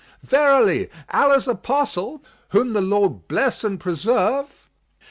Verily Allah's Apostle (whom the Lord bless and preserve!)